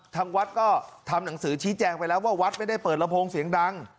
ทางวัดก็ทำหนังสือชี้แจงไปแล้วว่าวัดไม่ได้เปิดลำโพงเสียงดัง